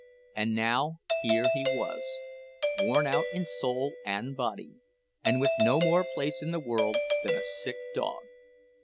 And now here he was, worn out in soul and body, and with no more place in the world than a sick dog.